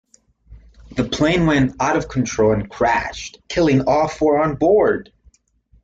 The plane went out of control and crashed, killing all four on board.